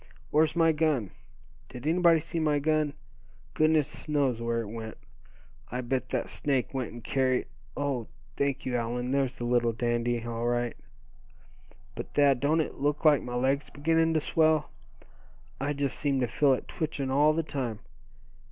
Where's my gun? Did anybody see my gun? Goodness knows where it went. I bet that snake went and carried oh! thank you, Allan, there's the little dandy, all right. But Thad, don't it look like my leg's beginning to swell? I just seem to feel it twitching all the time.